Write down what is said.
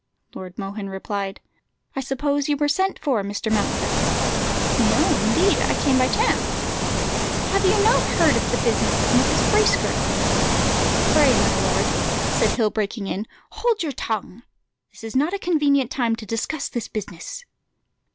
Lord Mohun replied "I suppose you were sent for, Mr. Mountfort?" "No, indeed, I came by chance." "Have you not heard of the business of Mrs. Bracegirdle?" "Pray, my lord," said Hill, breaking in, "hold your tongue. This is not a convenient time to discuss this business."